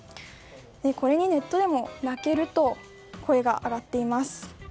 これに、ネットでも泣けると声が上がっています。